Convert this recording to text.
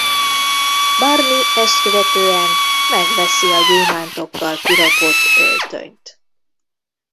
Barney ezt követően megveszi a gyémántokkal kirakott öltönyt.